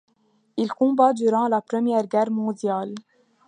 Il combat durant la Première Guerre mondiale.